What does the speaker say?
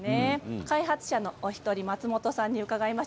開発者のお一人松本さんに伺います。